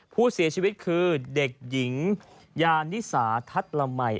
ผู้เสียชีวิตคือเด็กหญิงยานิสาทัศน์ละมัย